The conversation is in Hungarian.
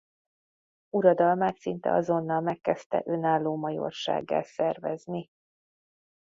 Uradalmát szinte azonnal megkezdte önálló majorsággá szervezni.